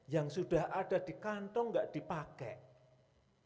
yang sudah ada di kantong tidak dipakai